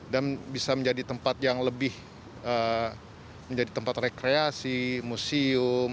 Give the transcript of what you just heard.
dan bisa menjadi tempat yang lebih menjadi tempat rekreasi museum